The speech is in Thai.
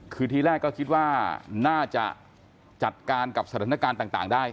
คือทีแรกก็คิดว่าน่าจะจัดการกับสถานการณ์ต่างได้